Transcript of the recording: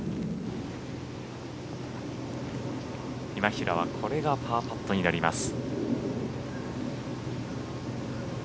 今平はこれがパーパットになります。